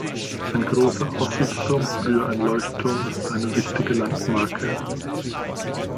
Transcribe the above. Ein großer Aussichtsturm, früher ein Leuchtturm, ist eine wichtige Landmarke.